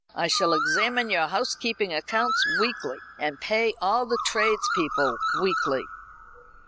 I shall examine your housekeeping accounts weekly, and pay all the tradespeople weekly."